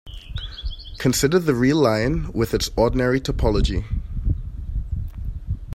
Consider the real line with its ordinary topology.